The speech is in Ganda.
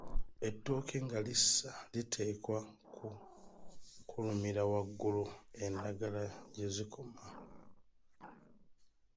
Ettooke nga lissa liteekwa kukulumira waggulu endagala gye zikoma.